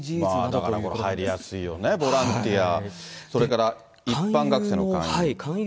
だからこれ、入りやすいよね、ボランティア、それから一般学生の勧誘。